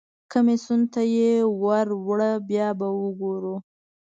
کمیسیون ته یې ور وړه بیا به وګورو.